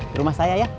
di rumah saya ya